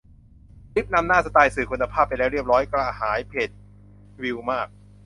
ดริฟต์นำหน้าสไตล์สื่อคุณภาพไปแล้วเรียบร้อย กระหายเพจวิวมาก